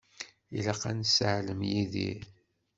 Ilaq ad nesseɛlem Yidir.